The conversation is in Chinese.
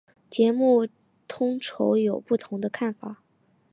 节目统筹有不同的看法。